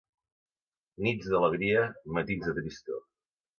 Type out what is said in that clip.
Nits d'alegria, matins de tristor.